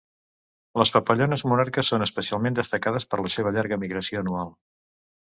Les papallones monarca són especialment destacades per la seva llarga migració anual.